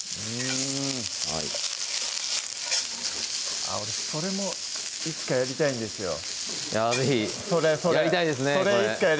これそれいつかやりたいんです